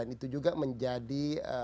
itu juga menjadi